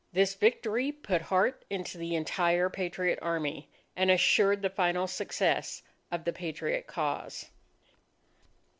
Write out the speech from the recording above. This victory put heart into the entire Patriot Army, and assured the final success of the Patriot cause.